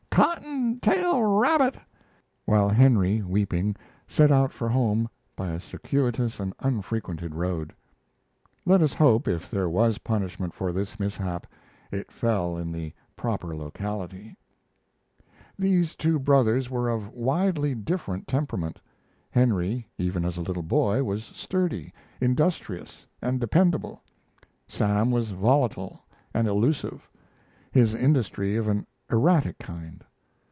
"Cotton tail rabbit!" while Henry, weeping, set out for home by a circuitous and unfrequented road. Let us hope, if there was punishment for this mishap, that it fell in the proper locality. These two brothers were of widely different temperament. Henry, even as a little boy, was sturdy, industrious, and dependable. Sam was volatile and elusive; his industry of an erratic kind.